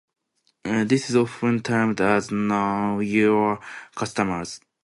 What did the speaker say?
This is often termed as "know your customer".